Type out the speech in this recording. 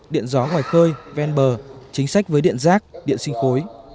điện gió ngoài khơi ven bờ chính sách với điện rác điện sinh khối